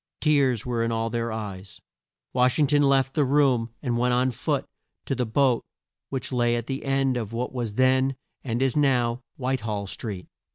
Tears were in all their eyes. Wash ing ton left the room, and went on foot to the boat which lay at the end of what was then and is now White hall Street.